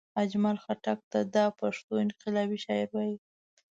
اجمل خټګ ته دا پښتو انقلابي شاعر وايي